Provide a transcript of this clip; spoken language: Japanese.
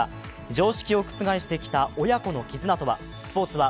常識を覆してきた親子の絆とは。